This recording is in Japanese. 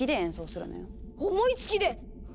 思いつきで！